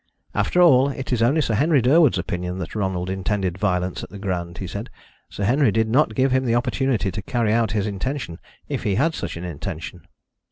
"After all, it is only Sir Henry Durwood's opinion that Ronald intended violence at the Grand," he said. "Sir Henry did not give him the opportunity to carry out his intention if he had such an intention."